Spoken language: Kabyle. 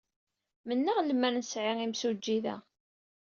Mennaɣ lemmer nesɛi imsujji da.